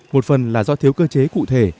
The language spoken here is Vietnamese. một phần là do thiếu cơ chế cụ thể